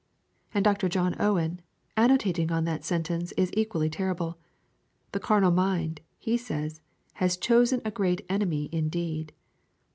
And Dr. John Owen annotating on that sentence is equally terrible. The carnal mind, he says, has 'chosen a great enemy indeed.'